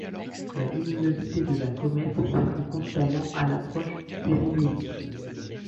La luminosité de la comète s'accrut constamment à l'approche du périhélie.